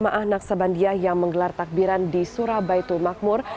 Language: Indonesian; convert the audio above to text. jemaah naksabandia yang menggelar takbiran di surabaya tumakmur